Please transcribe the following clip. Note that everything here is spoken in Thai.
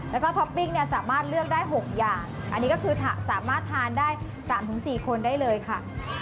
แล้วก็ท็อปปิ้งเนี่ยสามารถเลือกได้๖อย่างอันนี้ก็คือสามารถทานได้๓๔คนได้เลยค่ะ